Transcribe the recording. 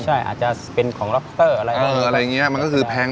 ใช่อาจจะเป็นของล็อปเตอร์อะไรเอออะไรอย่างนี้มันก็คือแพง